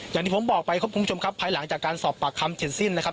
อย่างที่ผมบอกไปครับคุณผู้ชมครับภายหลังจากการสอบปากคำเสร็จสิ้นนะครับ